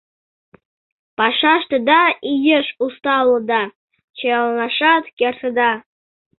Пашаштыда иеш уста улыда, чояланашат кертыда.